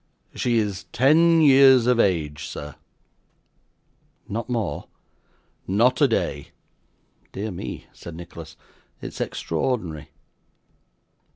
'She is ten years of age, sir.' 'Not more!' 'Not a day.' 'Dear me!' said Nicholas, 'it's extraordinary.